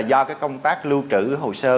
do công tác lưu trữ hồ sơ